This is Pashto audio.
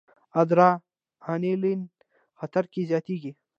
ادرانالین خطر کې زیاتېږي.